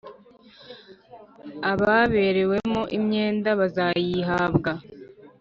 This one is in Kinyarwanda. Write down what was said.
Ababerewemo imyenda bazayihabwa.